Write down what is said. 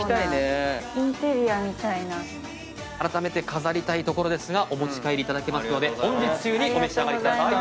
飾りたいところですがお持ち帰りいただけますので本日中にお召し上がりください。